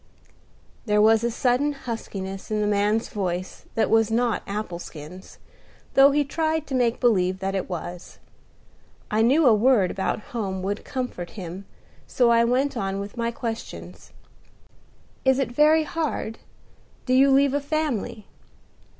There was a sudden huskiness in the man's voice that was not apple skins, though he tried to make believe that it was. I knew a word about home would comfort him, so I went on with my questions. "It is very hard. Do you leave a family?"